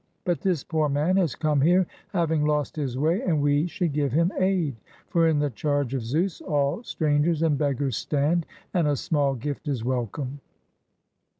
But this poor man has come here having lost his way, and we should give him aid ; for in the charge of Zeus all stran gers and beggars stand, and a small gift is welcome.